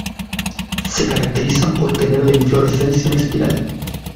Se caracterizan por tener la inflorescencia en espiral.